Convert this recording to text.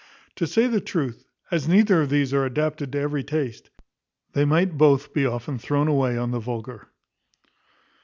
To say the truth, as neither of these are adapted to every taste, they might both be often thrown away on the vulgar.